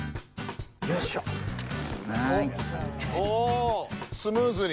おスムーズに。